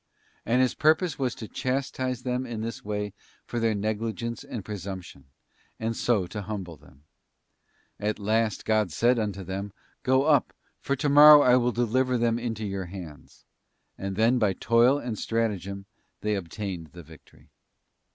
And His purpose was to chastise them in this way for their negligence and presumption, and so to humble them. At last God said unto them, 'Go up, for to morrow I will deliver them into your hands,' and then by toil and stratagem they obtained the victory,* * Judg.